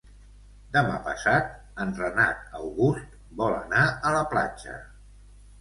Demà passat en Renat August vol anar a la platja.